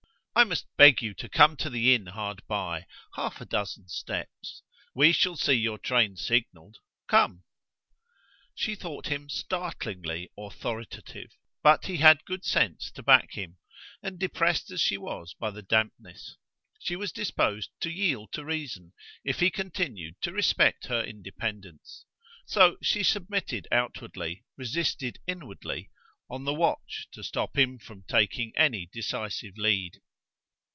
"I must beg you to come to the inn hard by half a dozen steps. We shall see your train signalled. Come." She thought him startlingly authoritative, but he had good sense to back him; and depressed as she was by the dampness, she was disposed to yield to reason if he continued to respect her independence. So she submitted outwardly, resisted inwardly, on the watch to stop him from taking any decisive lead.